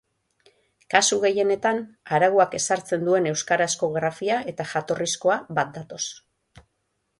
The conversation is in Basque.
Kasu gehienetan, arauak ezartzen duen euskarazko grafia eta jatorrizkoa bat datoz.